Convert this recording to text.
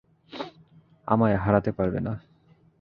আমায় হারাতে পারবে না।